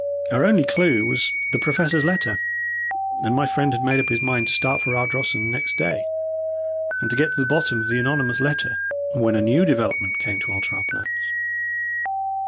Our only clue was the Professor's letter, and my friend had made up his mind to start for Ardrossan next day, and to get to the bottom of the anonymous letter, when a new development came to alter our plans.